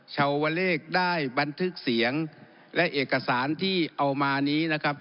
ชาวเลขได้บันทึกเสียงและเอกสารที่เอามานี้นะครับ